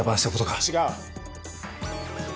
違う。